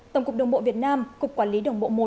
tổng cục đồng bộ việt nam cục quản lý đồng bộ i